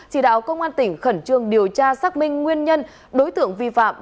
chỉ đạo công an tỉnh khẩn trương điều tra xác minh nguyên nhân đối tượng vi phạm